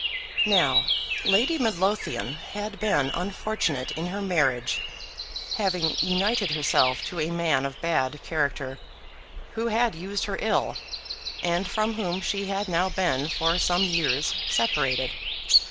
Now Lady Midlothian had been unfortunate in her marriage, having united herself to a man of bad character, who had used her ill, and from whom she had now been for some years separated.